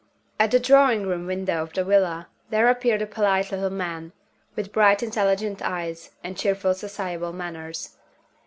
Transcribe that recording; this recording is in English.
At the drawing room window of the villa there appeared a polite little man, with bright intelligent eyes, and cheerful sociable manners.